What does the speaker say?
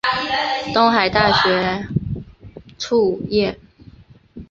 东海大学卒业。